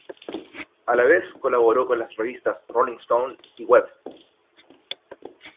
A la vez colaboró con las revistas "Rolling Stone" y "Web!